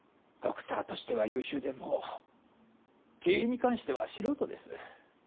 ドクターとしては優秀でも経営に関しては素人です。